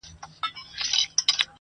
پاک پر شرعه برابر مسلمانان دي,